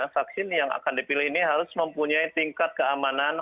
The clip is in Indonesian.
vaksin yang akan dipilih ini harus mempunyai tingkat keamanan